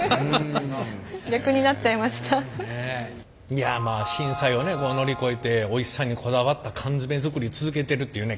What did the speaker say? いやまあ震災を乗り越えておいしさにこだわった缶詰作り続けてるっていうね